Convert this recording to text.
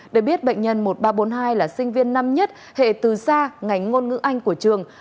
để biết bệnh nhân một nghìn ba trăm bốn mươi hai là sinh viên năm nhất hệ từ xa ngành ngôn ngữ anh của trường